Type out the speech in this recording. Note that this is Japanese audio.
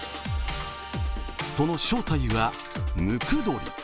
その正体はムクドリ。